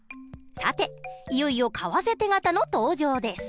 さていよいよ為替手形の登場です。